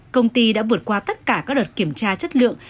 công ty đã vượt qua tất cả các đợt kiểm tra chất lượng